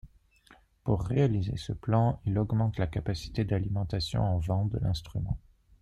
Pour réaliser ce plan, il augmente la capacité d'alimentation en vent de l'instrument.